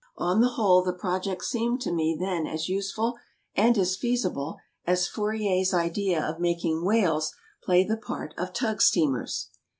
On the whole, the project seemed to me then as useful and as feasible as Fourrier's idea of making whales play the part of tug steamers.